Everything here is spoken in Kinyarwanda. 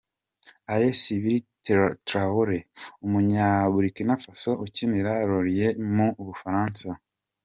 Alain Sibiri Traore , umunya Burukina-faso ukinira Lorient mu Bufaransa.